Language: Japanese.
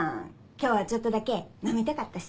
今日はちょっとだけ飲みたかったし。